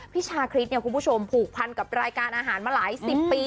ชาคริสเนี่ยคุณผู้ชมผูกพันกับรายการอาหารมาหลายสิบปี